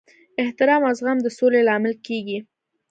احترام او زغم د سولې لامل کیږي.